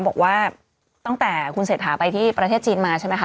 บอกว่าตั้งแต่คุณเศรษฐาไปที่ประเทศจีนมาใช่ไหมคะ